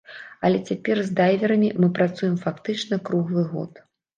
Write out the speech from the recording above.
Але цяпер з дайверамі мы працуем фактычна круглы год.